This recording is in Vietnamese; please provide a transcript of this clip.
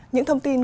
những thông tin